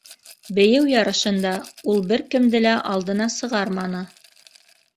Бейеү ярышында ул бер кемде лә алдына сығарманы.